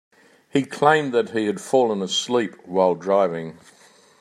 He claimed that he had fallen asleep while driving.